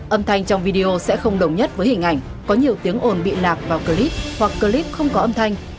âm thanh trong video sẽ không đồng nhất với hình ảnh có nhiều tiếng ồn bị lạc vào clip hoặc clip không có âm thanh